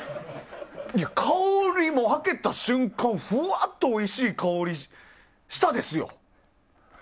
香り、開けた瞬間ふわっとおいしい香りがしましたよ。